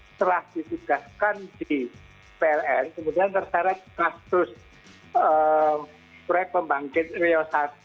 setelah ditugaskan di pln kemudian terseret kasus proyek pembangkit rio satu